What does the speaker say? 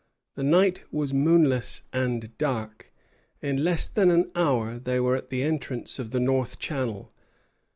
The night was moonless and dark. In less than an hour they were at the entrance of the north channel.